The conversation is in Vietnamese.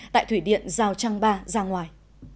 tại thủy điện giao trang ba ra ngoài